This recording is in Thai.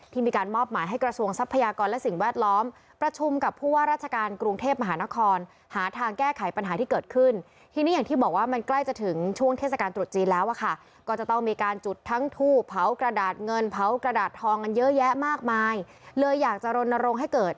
ที่มีการมอบหมายให้กระทรวงทรัพยากรและสิ่งแวดล้อมประชุมกับผู้ว่าราชการกรุงเทพมหานคร